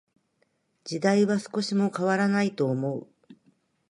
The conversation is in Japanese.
時代は少しも変らないと思う。